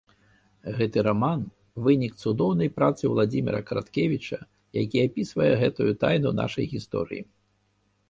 Гэты раман - вынік цудоўнай працы Уладзіміра Караткевіча, які апісвае гэтую тайну нашай гісторыі.